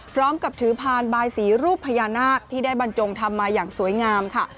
พร้อมกับถือพานบายสีรูปพญานาคที่ได้บรรจงทำมาอย่างสวยงามค่ะ